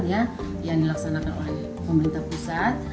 yang dilaksanakan oleh pemerintah pusat